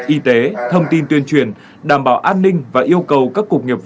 y tế thông tin tuyên truyền đảm bảo an ninh và yêu cầu các cục nghiệp vụ